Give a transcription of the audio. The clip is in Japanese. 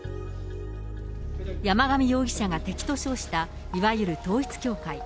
山上容疑者が敵と称した、いわゆる統一教会。